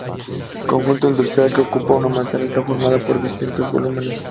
El conjunto industrial, que ocupa una manzana, está formado por distintos volúmenes.